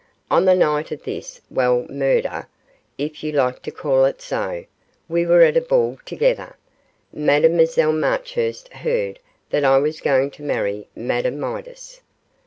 On the night of this well, murder, if you like to call it so we were at a ball together. Mademoiselle Marchurst heard that I was going to marry Madame Midas.